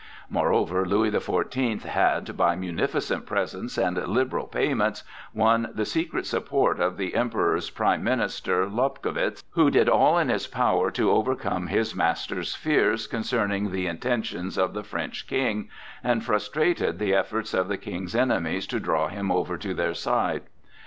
Moreover Louis the Fourteenth had, by munificent presents and liberal payments, won the secret support of the Emperor's prime minister, Lobkowitz, who did all in his power to overcome his master's fears concerning the intentions of the French King, and frustrated the efforts of the King's enemies to draw him over to their side.